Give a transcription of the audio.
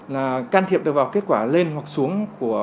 là can thiệp được vào kết quả lên hoặc xuống của